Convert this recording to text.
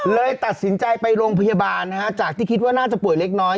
เลยตัดสินใจไปโรงพยาบาลนะฮะจากที่คิดว่าน่าจะป่วยเล็กน้อย